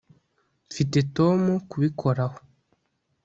Mfite Tom kubikoraho